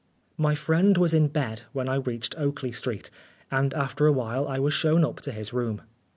My friend was in bed, when I reached Oakley Street, and after awhile I was shown up to his room.